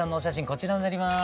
こちらになります。